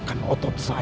kamu harus penuh